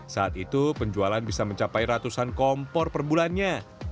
saat itu penjualan bisa mencapai ratusan kompor per bulannya